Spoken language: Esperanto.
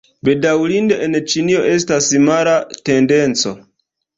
Bedaŭrinde, en Ĉinio estas mala tendenco.